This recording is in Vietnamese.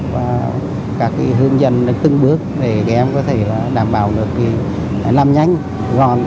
và các hướng dẫn từng bước để các em có thể đảm bảo được làm nhanh gọn